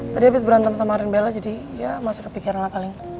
tadi abis berantem sama arin bella jadi ya masih kepikiran lah paling